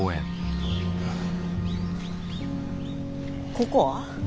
ここは？